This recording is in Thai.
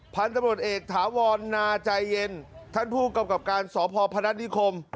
พันธุ์ตำรวจเอกถาวรนาใจเย็นท่านผู้กำกับการสพพนัทนิคม